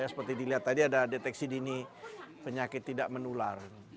seperti dilihat tadi ada deteksi dini penyakit tidak menular